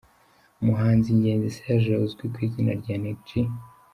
Umuhanzi Ngenzi Serge uzwi ku izina rya Neg G.